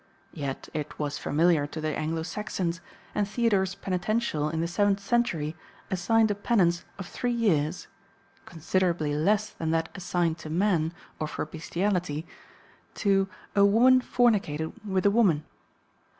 Yet it was familiar to the Anglo Saxons, and Theodore's Penitential in the seventh century assigned a penance of three years (considerably less than that assigned to men, or for bestiality) to "a woman fornicating with a woman."